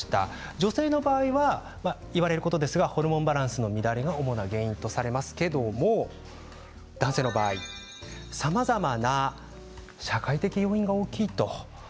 女性の場合は言われることですがホルモンバランスの乱れが主な原因と言われますけれども男性の場合さまざまな社会的要因が大きいと。